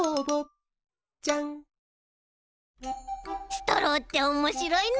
ストローっておもしろいな。